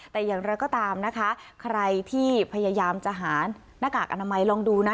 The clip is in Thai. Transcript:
แต่อย่างไรก็ตามนะคะใครที่พยายามจะหาหน้ากากอนามัยลองดูนะ